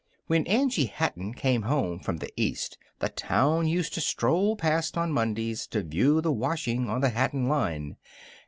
When Angie Hatton came home from the East the town used to stroll past on Mondays to view the washing on the Hatton line.